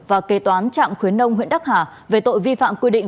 và kế toán trạm khuyến nông huyện đắc hà về tội vi phạm quy định